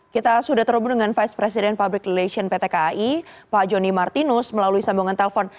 kita sudah terhubung dengan vice president public relations pt kai pak joni martinus melalui sambungan telpon